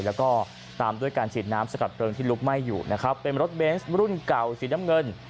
แล้วก็ตามด้วยการฉีดน้ำสกัดเพลิงที่ลุกไหม้อยู่นะครับเป็นรถเบนส์รุ่นเก่าสีน้ำเงิน